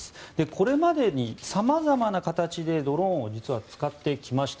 これまでに様々な形でドローンを実は使ってきました。